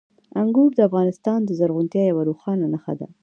انګور د افغانستان د زرغونتیا یوه روښانه نښه ده.